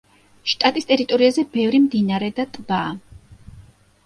შტატის ტერიტორიაზე ბევრი მდინარე და ტბაა.